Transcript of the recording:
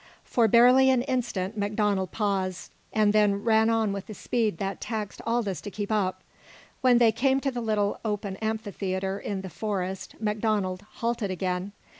For barely an instant MacDonald paused, and then ran on with a speed that taxed Aldous to keep up. When they came to the little open amphitheatre in the forest MacDonald halted again.